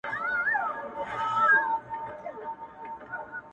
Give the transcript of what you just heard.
چي تېر سوه، هغه هېر سوه.